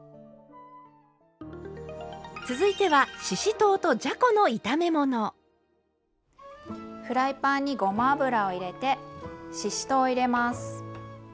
続いてはフライパンにごま油を入れてししとうを入れます。